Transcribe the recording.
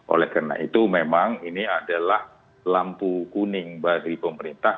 oleh karena itu memang ini adalah lampu kuning dari pemerintah